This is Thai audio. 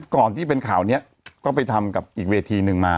ที่เป็นข่าวนี้ก็ไปทำกับอีกเวทีหนึ่งมา